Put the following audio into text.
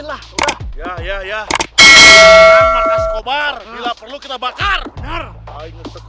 alet abah gue mana